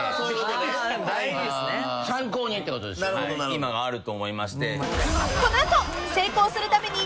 今があると思いまして。